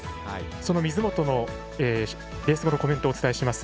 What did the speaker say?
その水本のレース後のコメントをお伝えします。